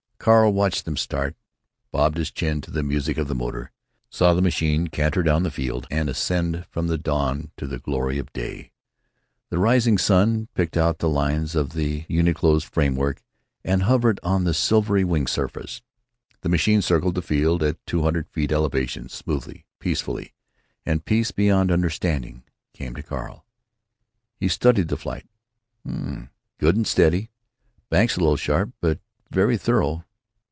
Carl watched them start, bobbed his chin to the music of the motor, saw the machine canter down the field and ascend from dawn to the glory of day. The rising sun picked out the lines of the uninclosed framework and hovered on the silvery wing surface. The machine circled the field at two hundred feet elevation, smoothly, peacefully. And peace beyond understanding came to Carl. He studied the flight. "Mm. Good and steady. Banks a little sharp, but very thorough.